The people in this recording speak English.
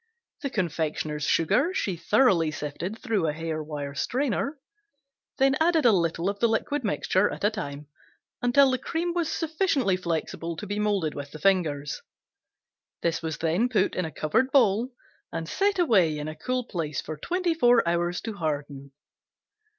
The confectioner's sugar she thoroughly sifted through a hair wire strainer, then added a little of the liquid mixture at a time until the cream was sufficiently flexible to be molded with the fingers. This was then put in a covered bowl and set away in a cool place for twenty four hours to harden.